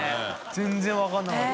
全然分からなかった。